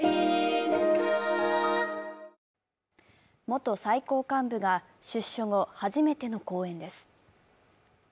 元最高幹部が出所後、初めての講演です。